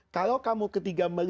kalau kamu ketiga kali bergerak